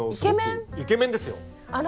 イケメンですよ。